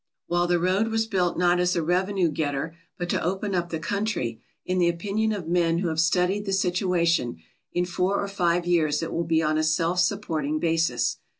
While the road was built not as a revenue getter, but to open up the country, in the opinion of men who have studied the situation, in four or five years it will be on a self supporting basis.